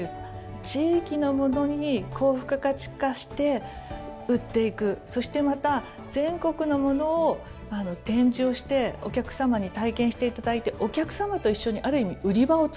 地域のものに高付加価値化して売っていくそしてまた全国のものを展示をしてお客様に体験していただいてお客様と一緒にある意味売り場をつくっていく。